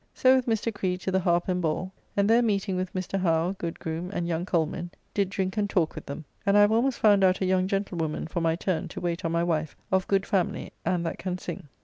So with Mr. Creed to the Harp and Ball, and there meeting with Mr. How, Goodgroom, and young Coleman, did drink and talk with them, and I have almost found out a young gentlewoman for my turn, to wait on my wife, of good family and that can sing.